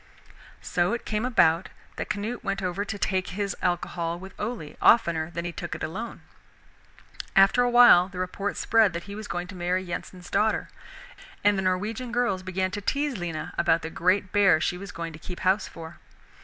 So it came about that Canute went over to take his alcohol with Ole oftener than he took it alone, After a while the report spread that he was going to marry Yensen's daughter, and the Norwegian girls began to tease Lena about the great bear she was going to keep house for.